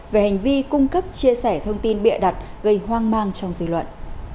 về hành vi cung cấp chia sẻ thông tin bịa đặt gây hoang mang trong dư luận